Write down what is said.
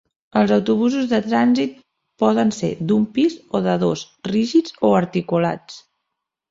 Els autobusos de trànsit poden ser d'un pis o de dos, rígids o articulats.